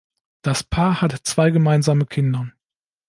Das Paar hat zwei gemeinsame Kinder.